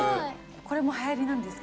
これもはやりなんですか。